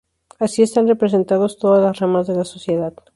Así están representados todas las ramas de la sociedad.